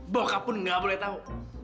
boka pun nggak boleh tahu